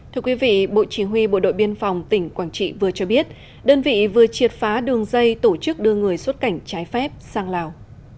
thưa quý vị bộ chỉ huy bộ đội biên phòng tỉnh quảng trị vừa cho biết đơn vị vừa triệt phá đường dây tổ chức đưa người xuất cảnh trái phép sang lào